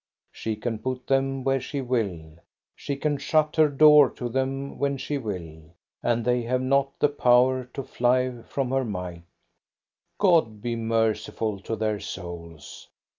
She can put them where she will, she can shut her door to them when she will, and they have not the power to fly from her might. God be merciful to their souls